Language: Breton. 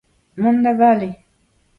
Mont da vale !